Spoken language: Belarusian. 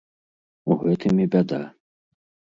У гэтым і бяда!